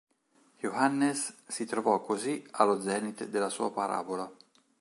Johannes si trovò così allo zenit della sua parabola.